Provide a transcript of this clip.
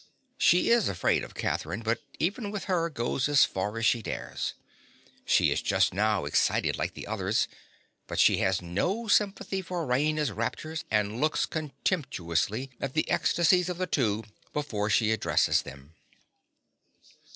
She is afraid of Catherine, but even with her goes as far as she dares. She is just now excited like the others; but she has no sympathy for Raina's raptures and looks contemptuously at the ecstasies of the two before she addresses them.